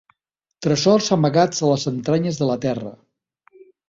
Tresors amagats a les entranyes de la terra.